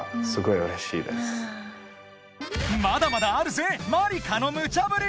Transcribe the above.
［まだまだあるぜまりかのムチャぶり！］